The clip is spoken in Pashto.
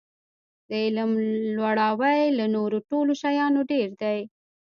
د علم لوړاوی له نورو ټولو شیانو ډېر دی.